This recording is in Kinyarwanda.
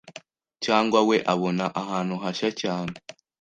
cyangwa we abona ahantu hashya cyane